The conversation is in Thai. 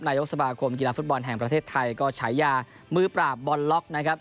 นายกสมาคมกีฬาฟุตบอลแห่งประเทศไทยก็ฉายามือปราบบอลล็อกนะครับ